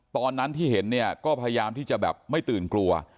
ตอนนั้นที่เห็นเนี่ยก็พยายามที่จะแบบไม่ตื่นกลัว